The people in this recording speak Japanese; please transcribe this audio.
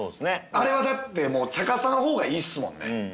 あれはだってもうちゃかさん方がいいっすもんね。